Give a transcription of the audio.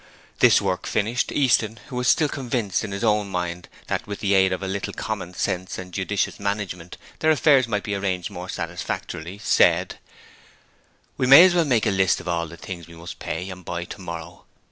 This work finished, Easton, who was still convinced in his own mind that with the aid of a little common sense and judicious management their affairs might be arranged more satisfactorily, said: 'We may as well make a list of all the things we must pay and buy tomorrow.